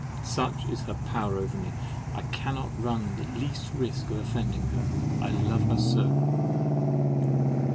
Such is her power over me! I cannot run the least risk of offending her—I love her so.